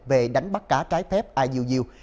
về đánh bắt cá trái phép iuu